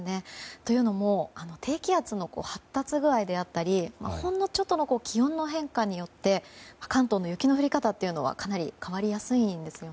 というのも、低気圧の発達具合やほんのちょっとの気温の変化によって関東の雪の降り方はかなり変わりやすいんです。